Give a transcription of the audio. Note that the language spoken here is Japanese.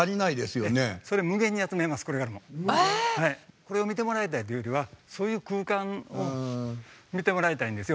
これを見てもらいたいというよりはそういう空間を見てもらいたいんですよ。